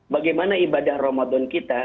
bagaimana ibadah ramadan kita